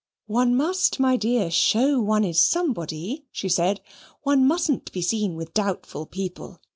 "One must, my dear, show one is somebody," she said. "One mustn't be seen with doubtful people.